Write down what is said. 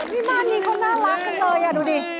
นี่บ้านนี้เขาน่ารักจังเลยดูดิ